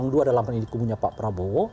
dalam kubunya pak prabowo